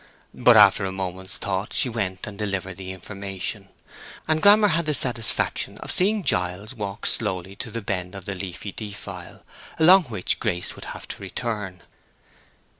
But after a moment's thought she went and delivered the information; and Grammer had the satisfaction of seeing Giles walk slowly to the bend in the leafy defile along which Grace would have to return.